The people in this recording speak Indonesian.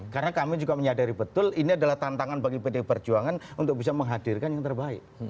karena kami juga menyadari betul ini adalah tantangan bagi pdip berjuangan untuk bisa menghadirkan yang terbaik